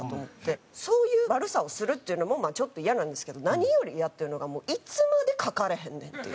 そういう悪さをするっていうのもまあちょっとイヤなんですけど何よりイヤっていうのがいつまで書かれへんねんっていう。